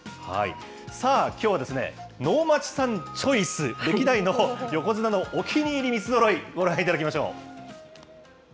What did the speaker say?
さあ、きょうは能町さんチョイス、歴代の横綱のお気に入り三つぞろい、ご覧いただきましょう。